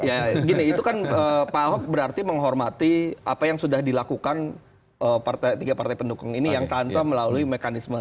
ya gini itu kan pak ahok berarti menghormati apa yang sudah dilakukan tiga partai pendukung ini yang tanpa melalui mekanisme